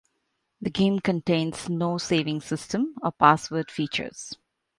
The game contains no saving system or password features.